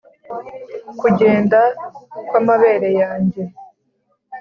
kugenda kwamabere yanjye,